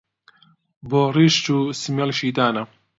بۆ ڕیش جوو سمێڵیشی دانا